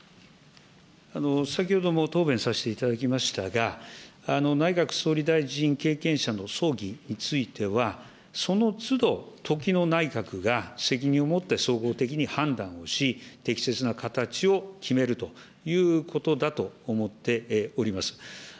先ほども答弁させていただきましたが、内閣総理大臣経験者の葬儀については、そのつど、時の内閣が責任を持って総合的に判断をし、適切な形を決めるということだと思っております。